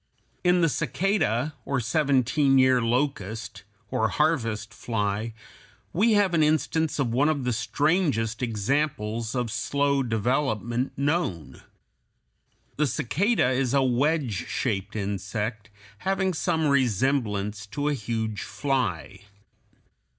In the cicada, or seventeen year locust, or harvest fly, we have an instance of one of the strangest examples of slow development known. The cicada is a wedge shaped insect having some resemblance to a huge fly.